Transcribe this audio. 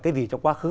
cái gì trong quá khứ